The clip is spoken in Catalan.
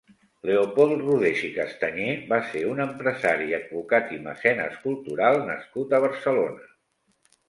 Leopold Rodés i Castañé va ser un empresari, advocat i mecenes cultural nascut a Barcelona.